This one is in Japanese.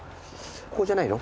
ここじゃないの？